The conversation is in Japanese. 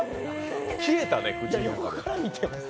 消えたね、口に。